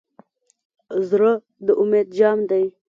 زړه د امید جام دی.